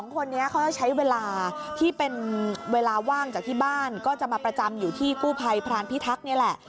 คนนี้เขาจะใช้เวลาที่เป็นเวลาว่างจากที่บ้านก็จะมาประจำอยู่ที่กู้ภัยพรานพิทักษ์นี่แหละ